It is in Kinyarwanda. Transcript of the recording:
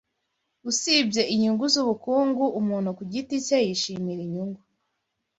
usibye inyungu zubukungu umuntu ku giti cye yishimira inyungu